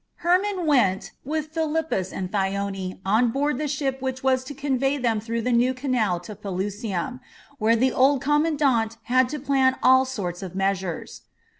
Hermon went, with Philippus and Thyone, on board the ship which was to convey them through the new canal to Pelusium, where the old commandant had to plan all sorts of measures.